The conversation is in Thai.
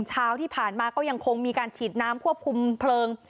เช้าที่ผ่านมาก็ยังคงมีการฉีดน้ำควบคุมเพลิง